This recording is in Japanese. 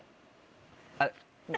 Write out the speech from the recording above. あっ。